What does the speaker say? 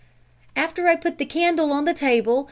"After I put the candle on the table